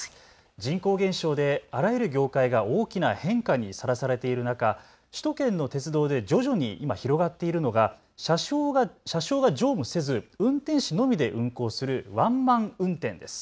人口減少であらゆる業界があらゆる変化にさらされている中、首都圏の鉄道で徐々に広がっているのが車掌が乗務せず運転士のみで運行するワンマン運転です。